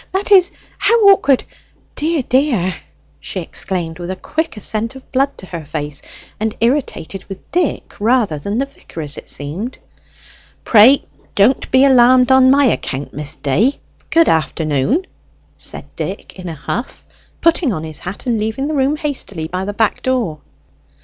that is, how awkward dear, dear!" she exclaimed, with a quick ascent of blood to her face, and irritated with Dick rather than the vicar, as it seemed. "Pray don't be alarmed on my account, Miss Day good afternoon!" said Dick in a huff, putting on his hat, and leaving the room hastily by the back door.